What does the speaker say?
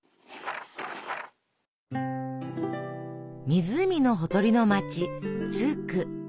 湖のほとりの街ツーク。